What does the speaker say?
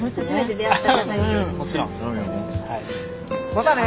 またね。